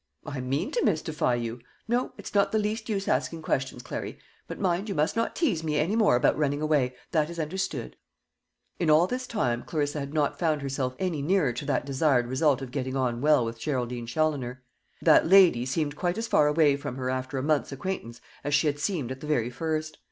"I mean to mystify you. No, it's not the least use asking questions, Clary; but mind, you must not tease me any more about running away: that is understood." In all this time Clarissa had not found herself any nearer to that desired result of getting on well with Geraldine Challoner. That lady seemed quite as far away from her after a month's acquaintance as she had seemed at the very first.